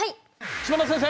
島田先生！